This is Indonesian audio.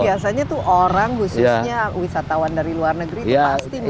ini biasanya tuh orang khususnya wisatawan dari luar negeri pasti mencari